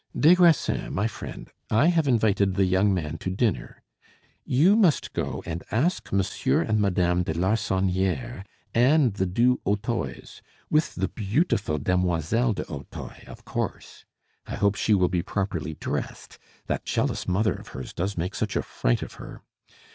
"Des Grassins, my friend, I have invited the young man to dinner. You must go and ask Monsieur and Madame de Larsonniere and the du Hautoys, with the beautiful demoiselle du Hautoy, of course. I hope she will be properly dressed; that jealous mother of hers does make such a fright of her!